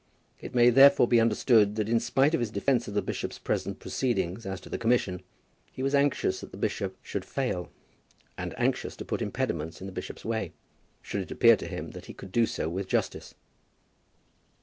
It may therefore be understood that in spite of his defence of the bishop's present proceedings as to the commission, he was anxious that the bishop should fail, and anxious to put impediments in the bishop's way, should it appear to him that he could do so with justice.